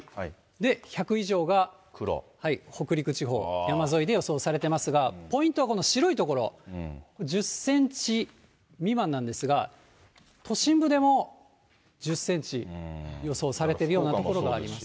で、１００以上が北陸地方、山沿いで予想されていますが、ポイントはこの白い所、１０センチ未満なんですが、都心部でも１０センチ予想されてるような所があります。